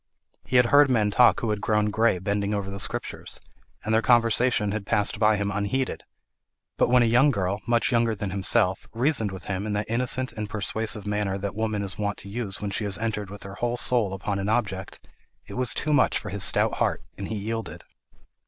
He had heard men talk who had grown grey bending over the Scriptures, and their conversation had passed by him unheeded; but when a young girl, much younger than himself, reasoned with him in that innocent and persuasive manner that woman is wont to use when she has entered with her whole soul upon an object, it was too much for his stout heart, and he yielded.